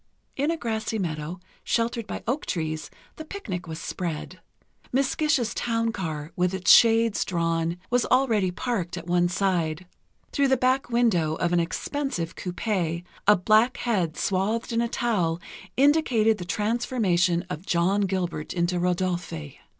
In a grassy meadow, sheltered by oak trees, the picnic was spread. Miss Gish's town car, with its shades drawn, was already parked at one side. Through the back window of an expensive coupé, a black head swathed in a towel indicated the transformation of John Gilbert into Rodolphe....